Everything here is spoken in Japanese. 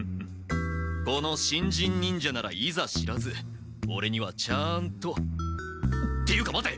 この新人忍者ならいざ知らずオレにはちゃんと。っていうか待て。